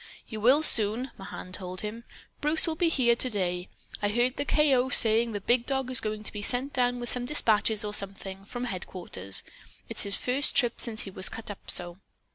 "You will soon," Mahan told him. "Bruce will be here to day. I heard the K.O. saying the big dog is going to be sent down with some dispatches or something, from headquarters. It's his first trip since he was cut up so."